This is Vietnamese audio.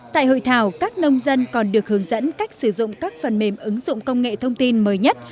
tại hội thảo các nông dân còn được hướng dẫn cách sử dụng các phần mềm ứng dụng công nghệ thông tin mới nhất